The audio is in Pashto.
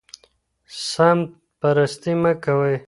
سمت پرستي مه کوئ.